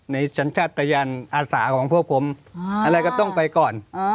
ในชั้นชาติอาสาของพวกผมอะไรก็ต้องไปก่อน